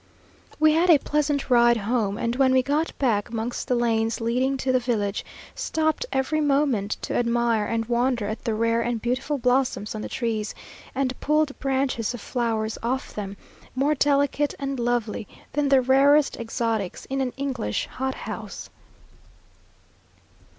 We had a pleasant ride home, and when we got back amongst the lanes leading to the village, stopped every moment to admire and wonder at the rare and beautiful blossoms on the trees; and pulled branches of flowers off them, more delicate and lovely than the rarest exotics in an English hothouse.